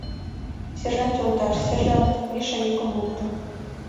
— Сержант йолташ, сержант, — Миша йӱкым лукто.